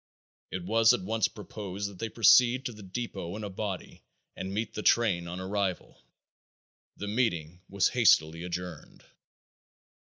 It was at once proposed that they proceed to the depot in a body and meet the train on arrival. The meeting was hastily adjourned.